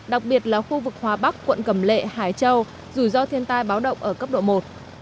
đặc biệt là khu vực hòa bắc quận cầm lệ hải châu rủi ro thiên tai báo động ở cấp độ một